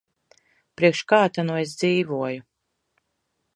Priekš kā ta nu es dzīvoju.